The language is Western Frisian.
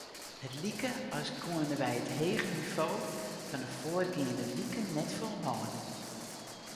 It like as koene wy it hege nivo fan de foargeande wiken net folhâlde.